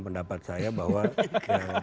pendapat saya bahwa ya